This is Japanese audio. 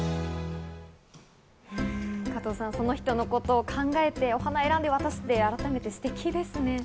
加藤さん、その人のことを考えて、お花を選んで渡すって、改めてステキですね。